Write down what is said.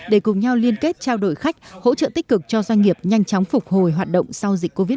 để cùng nhau liên kết trao đổi khách hỗ trợ tích cực cho doanh nghiệp nhanh chóng phục hồi hoạt động sau dịch covid một mươi chín